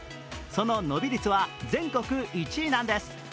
その伸び率は全国１位なんです。